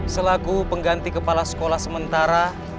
selaku pengganti kepala sekolah sementara